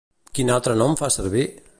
Quin altre nom fa servir?